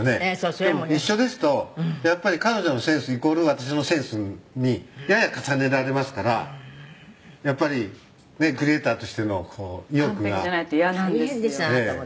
「でも一緒ですとやっぱり彼女のセンスイコール私のセンスにやや重ねられますからやっぱりクリエーターとしての意欲が」「完璧じゃないとイヤなんですよ」